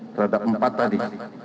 terhadap empat tadi